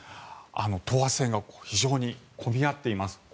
等圧線が非常に混み合っています。